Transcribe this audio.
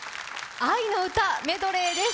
愛の歌メドレーです。